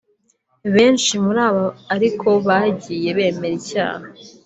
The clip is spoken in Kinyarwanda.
Benshi muri aba ariko bagiye bemera icyaha